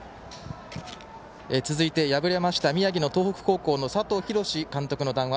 続いて敗れました宮城の東北高校の佐藤洋監督の談話